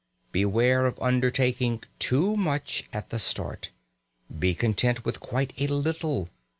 Beware of undertaking too much at the start. Be content with quite a little.